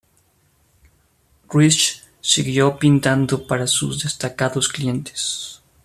Ruysch siguió pintando para sus destacados clientes.